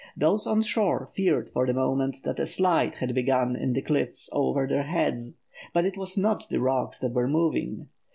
Those on shore feared for the moment that a slide had begun in the cliffs over their heads; but it was not the rocks that were moving.